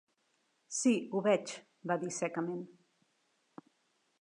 "Sí, ho veig", va dir secament.